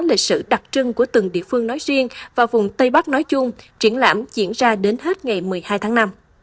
lịch sử đặc trưng của từng địa phương nói riêng và vùng tây bắc nói chung triển lãm diễn ra đến hết ngày một mươi hai tháng năm